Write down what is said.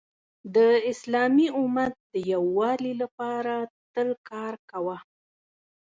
د اسلامی امت د یووالي لپاره تل کار کوه .